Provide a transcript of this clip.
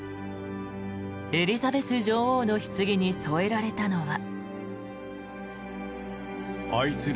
エリザベス女王のひつぎに添えられたのは。